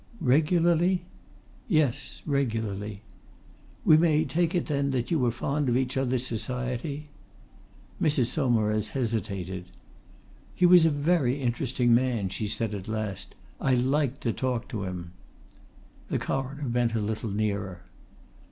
"Regularly?" "Yes regularly." "We may take it, then, that you were fond of each other's society?" Mrs. Saumarez hesitated. "He was a very interesting man," she said at last. "I liked to talk to him." The Coroner bent a little nearer.